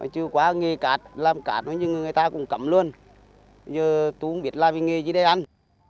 chưa quá nghề cạt làm cạt như người ta cũng cấm luôn giờ tôi không biết làm nghề gì đây anh